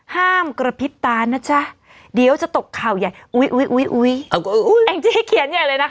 ห้ามกระพริบตานะจ๊ะเดี๋ยวจะตกข่าวใหญ่